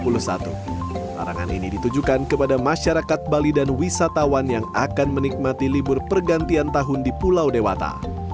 larangan ini ditujukan kepada masyarakat bali dan wisatawan yang akan menikmati libur pergantian tahun di pulau dewata